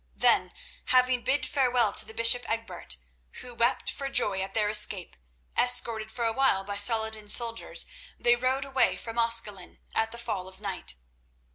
Then, having bid farewell to the bishop Egbert, who wept for joy at their escape, escorted for a while by Saladin's soldiers, they rode away from Ascalon at the fall of night.